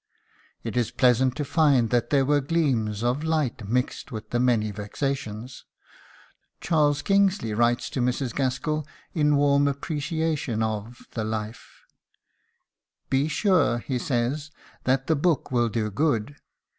It is pleasant to find that there were gleams of light mixed with the many vexations. Charles Kingsley writes to Mrs. Gaskell in warm appreciation of the "Life": "Be sure," he says, "that the book will do good.